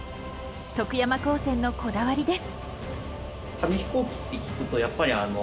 徳山高専のこだわりです。